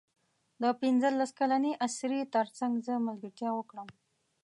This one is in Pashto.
د پنځلس کلنې اسرې تر څنګ زه ملګرتیا وکړم.